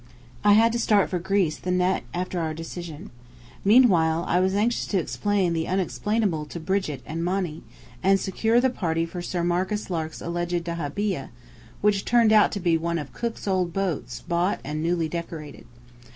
I had to start for Greece the night after our decision. Meanwhile, I was anxious to explain the unexplainable to Brigit and Monny, and secure the party for Sir Marcus Lark's alleged dahabeah, which turned out to be one of Cook's old boats bought and newly decorated.